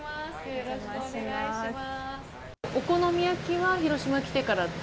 よろしくお願いします。